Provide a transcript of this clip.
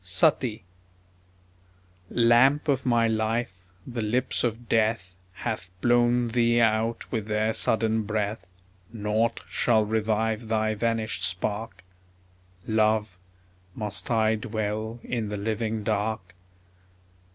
SUTTEE Lamp of my life, the lips of Death Hath blown thee out with their sudden breath; Naught shall revive thy vanished spark ... Love, must I dwell in the living dark?